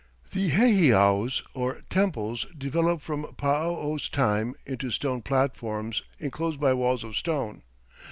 The heiaus, or temples, developed from Paao's time into stone platforms inclosed by walls of stone.